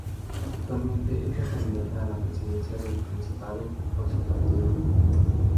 Actualmente es la candidata a la presidencia del Principado por su partido.